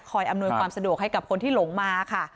อำนวยความสะดวกให้กับคนที่หลงมาค่ะ